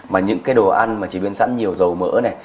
mà những cái đồ ăn mà chế biến sẵn nhiều dầu mỡ này